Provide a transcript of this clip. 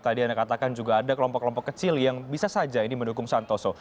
tadi anda katakan juga ada kelompok kelompok kecil yang bisa saja ini mendukung santoso